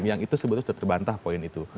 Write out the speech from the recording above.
yang itu sebetulnya sudah terbantah poin itu